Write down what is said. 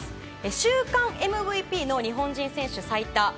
週間ＭＶＰの日本人最多選手